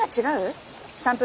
サンプルと？